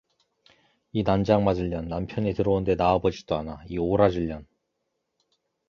이 난장맞을 년, 남편이 들어오는데 나와 보지도 않아, 이 오라질 년.